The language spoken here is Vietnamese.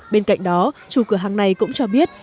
bên cạnh đó chủ cửa hàng này cũng cho biết